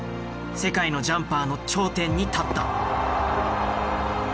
世界のジャンパーの頂点に立った。